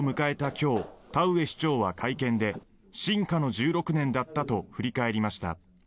今日田上市長は会見で進化の１６年だったと振り返りました。